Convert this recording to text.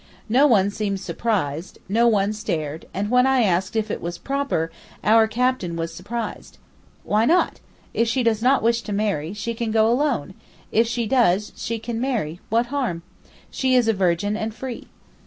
No one seemed surprised, no one stared, and when I asked if it was proper, our captain was surprised. 'Why not? if she does not wish to marry, she can go alone; if she does, she can marry—what harm? She is a virgin and free.